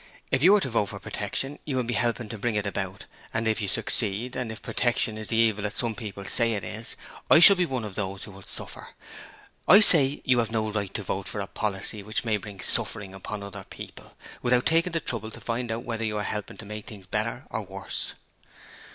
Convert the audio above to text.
If you vote for Protection you will be helping to bring it about, and if you succeed, and if Protection is the evil that some people say is is, I shall be one of those who will suffer. I say you have no right to vote for a policy which may bring suffering upon other people, without taking the trouble to find out whether you are helping to make things better or worse.'